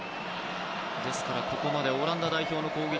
ですから、ここまでオランダ代表の攻撃